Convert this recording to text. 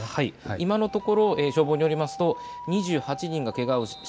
今のところ情報によりますと２８人がけがをし